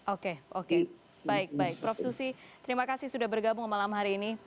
oke oke baik baik prof susi terima kasih sudah bergabung malam hari ini